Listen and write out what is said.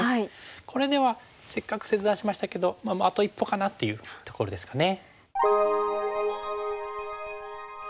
これではせっかく切断しましたけどまああと一歩かなというところですかね。